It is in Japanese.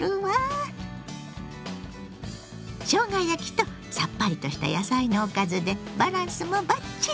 しょうが焼きとさっぱりとした野菜のおかずでバランスもバッチリ！